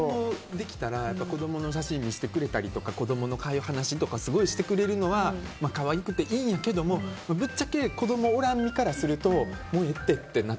子供ができたら子供の写真見せてくれたりとか子供の話をすごいしてくれるのはいいんやけどもぶっちゃけ、子供がおらん身からするともうええって。